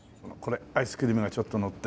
アイスクリームがちょっとのって。